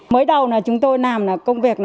mới đầu chúng tôi làm công việc